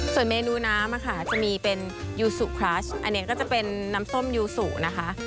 ส่วนเมนูน้ำค่ะจะมีเป็นยูสุคลัชอันนี้ก็จะเป็นน้ำส้มยูสุนะคะ